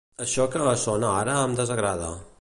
Això que sona ara em desagrada.